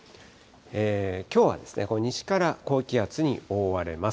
きょうは西から高気圧に覆われます。